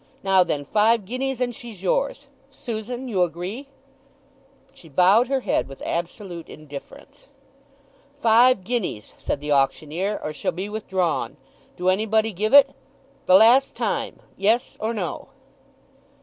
Now then—five guineas—and she's yours. Susan, you agree?" She bowed her head with absolute indifference. "Five guineas," said the auctioneer, "or she'll be withdrawn. Do anybody give it? The last time. Yes or no?"